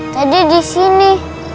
tadi di sini